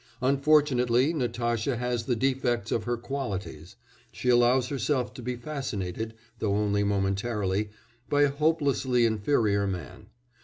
Unfortunately Natasha has the defects of her qualities; she allows herself to be fascinated (though only momentarily) by a hopelessly inferior man.